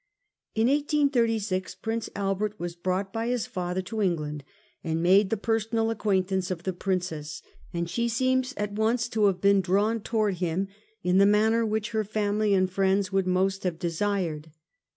In 1836, Prince Albert was brought by his father to England, and made the personal acquaintance of the Princess, and she seems at once to have been drawn towards him in the manner which her family and friends would most have desired.